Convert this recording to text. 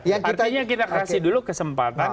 artinya kita kasih dulu kesempatan